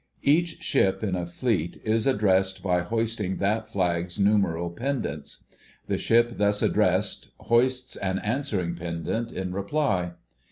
Each ship in a Fleet is addressed by hoisting that ship's numeral pendants. The ship thus addressed hoists an answering pendant in reply.